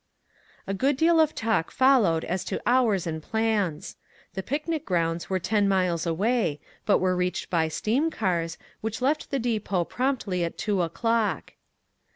A good deal of talk followed as to hours and plans. The picnic grounds were ten miles away, but were reached by steam cars, which left the depot promptly at two o'clock.